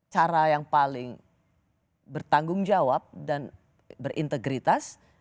cara yang paling bertanggung jawab dan berintegritas